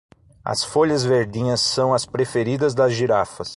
As folhas verdinhas são as preferidas das girafas